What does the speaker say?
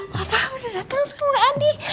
papa udah dateng sama adi